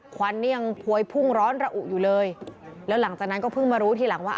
ควันนี่ยังพวยพุ่งร้อนระอุอยู่เลยแล้วหลังจากนั้นก็เพิ่งมารู้ทีหลังว่า